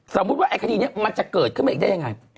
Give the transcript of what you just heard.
สมมุติว่าคดีมันจะเกิดขึ้นมานี่จะได้อย่างไร